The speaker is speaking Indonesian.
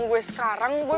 masuk kuliah dulu